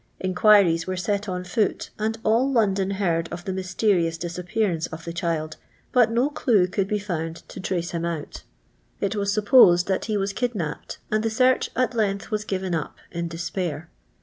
Inqniriea were set on foot, and all London heard of the mysterious disappearance of the child, but no clue could be found to trace him out. It was supposed that he was kidnapped, asd the search at length was given up in despair.